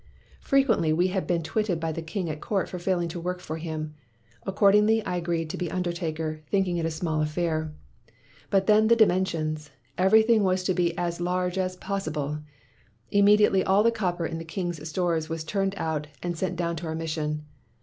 "Frequently we had been twitted by the king at court for failing to work for him; accordingly I agreed to be undertaker, thinking it a small affair. But then the di mensions! Everything was to be as large as possible!! Immediately all the copper in the king's stores was turned out and sent down to our mission.